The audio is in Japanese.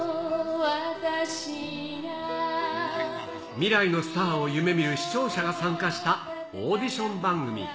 未来のスターを夢みる視聴者が参加したオーディション番組。